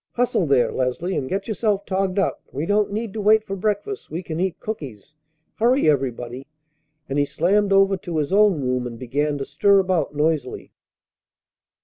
Hustle there, Leslie, and get yourself togged up. We don't need to wait for breakfast; we can eat cookies. Hurry everybody!" And he slammed over to his own room and began to stir about noisily.